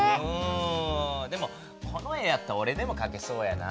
でもこの絵やったらおれでもかけそうやな。